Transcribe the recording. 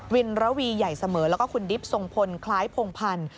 วินระวีใหญ่เสมอแล้วก็คุณดิบทรงพลคล้ายพงพันธ์